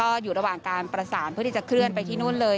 ก็อยู่ระหว่างการประสานเพื่อที่จะเคลื่อนไปที่นู่นเลย